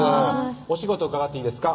お仕事伺っていいですか？